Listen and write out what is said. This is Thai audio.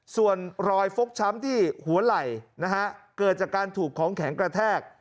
ส่วนรอยฟกช้ำที่หัวไหล่นะฮะเกิดจากการถูกของแข็งกระแทก